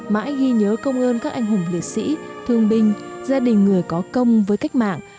mãi ghi nhớ công ơn các anh hùng liệt sĩ thương binh gia đình người có công với cách mạng